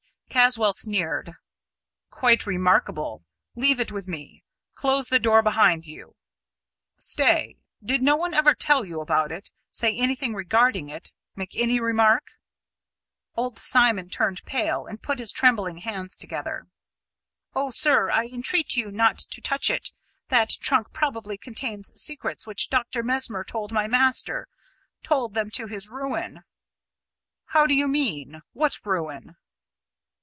Caswall sneered. "Quite remarkable! Leave it with me. Close the door behind you. Stay did no one ever tell you about it say anything regarding it make any remark?" Old Simon turned pale, and put his trembling hands together. "Oh, sir, I entreat you not to touch it. That trunk probably contains secrets which Dr. Mesmer told my master. Told them to his ruin!" "How do you mean? What ruin?"